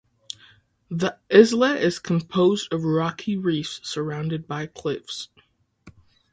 The islet is composed of rocky reefs surrounded by cliffs.